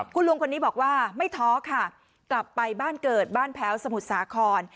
คุณลุงคนนี้บอกว่าไม่ท้อค่ะกลับไปบ้านเกิดบ้านแพ้วสมุทรสาคร